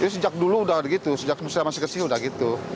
sejak dulu udah gitu sejak saya masih kecil udah gitu